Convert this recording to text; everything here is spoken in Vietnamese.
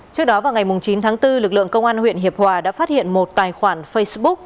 trước đó vào ngày chín tháng bốn lực lượng công an huyện hiệp hòa đã phát hiện một tài khoản facebook